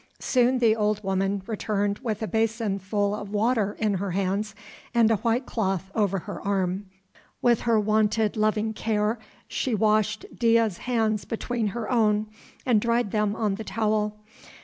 Soon the old woman returned with a basin full of water in her hands and a white cloth over her arm. With her wonted loving care she washed Dea's hands between her own and dried them on the towel.